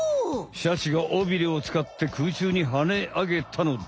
シャチが尾ビレをつかってくうちゅうにはねあげたのだ。